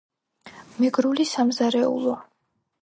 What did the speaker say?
მეგრული სამზარეულო